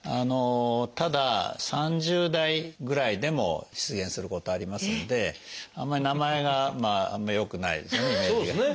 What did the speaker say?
ただ３０代ぐらいでも出現することありますのであんまり名前があんま良くないですよねイメージが。